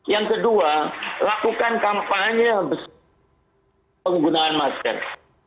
yang kedua lakukan kampanye penggunaan masker